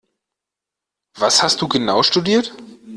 Was hast du genau studiert?